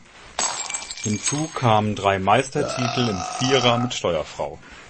Hinzu kamen drei Meistertitel im Vierer mit Steuerfrau.